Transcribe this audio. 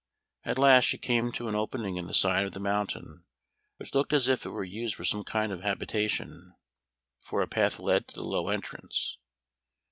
At last she came to an opening in the side of the mountain, which looked as if it were used for some kind of habitation, for a path led to the low entrance.